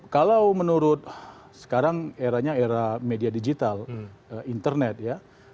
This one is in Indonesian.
kalau menurut sekarang eranya era media digital internet ya